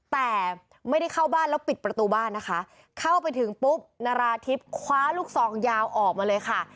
แต่ไม่ได้เข้าบ้านแล้วปิดประตูบ้านนะคะเข้าไปถึงปุ๊บนาราธิบคว้าลูกซองยาวออกมาเลยค่ะ